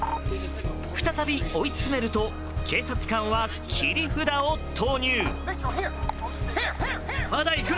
再び追い詰めると警察官は切り札を投入。